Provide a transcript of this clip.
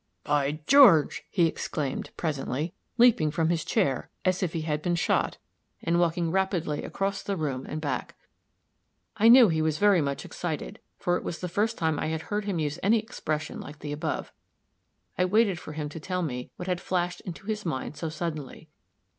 By George!" he exclaimed, presently, leaping from his chair as if he had been shot, and walking rapidly across the room and back. I knew he was very much excited, for it was the first time I had heard him use any expression like the above. I waited for him to tell me what had flashed into his mind so suddenly.